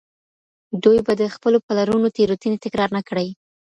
دوی به د خپلو پلرونو تېروتني تکرار نه کړي.